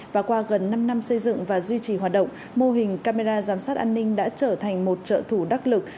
và qua gần năm năm xây dựng và duy trì hoạt động mô hình camera giám sát an ninh đã trở thành một trợ thủ đắc lực